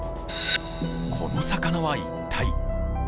この魚は一体。